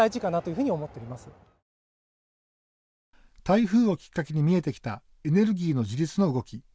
台風をきっかけに見えてきたエネルギーの自立の動き。